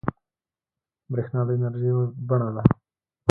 بریښنا د انرژۍ یوه بڼه ده